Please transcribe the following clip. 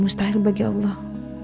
mustahil bagi allah